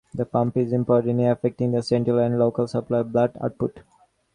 The pump is important in affecting the central and local supply of blood output.